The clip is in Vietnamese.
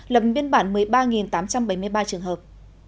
lập biên bản một mươi ba tám trăm bảy mươi ba trường hợp